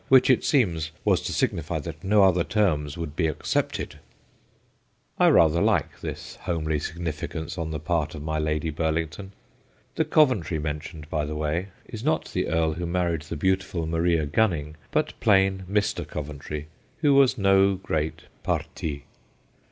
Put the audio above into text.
. which it seems was to signify that no other terms would be accepted/ I rather like this homely significance on the part of my Lady Burlington. The Coventry mentioned, by the way, is not the earl who 120 THE GHOSTS OF PICCADILLY married the beautiful Maria Gunning, but plain Mr. Coventry, who was no great pcvrti.